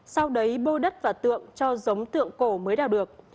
sau đấy bô đất và tượng cho giống tượng cổ mới đào được